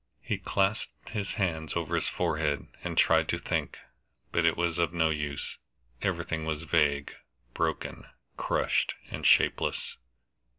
He clasped his hands over his forehead, and tried to think, but it was of no use. Everything was vague, broken, crushed, and shapeless.